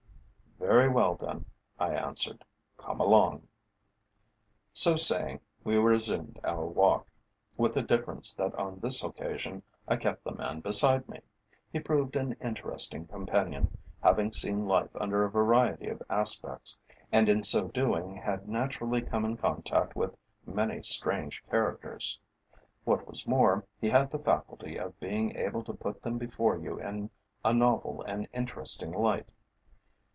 "Very well, then," I answered, "come along." So saying, we resumed our walk, with the difference that on this occasion I kept the man beside me. He proved an interesting companion, having seen life under a variety of aspects, and in so doing had naturally come in contact with many strange characters. What was more, he had the faculty of being able to put them before you in a novel and interesting light.